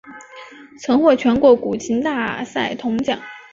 曾获全国古琴大赛铜奖。